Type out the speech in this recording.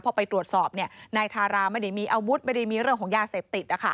พอไปตรวจสอบนายทาราไม่ได้มีอาวุธไม่ได้มีเรื่องของยาเสพติด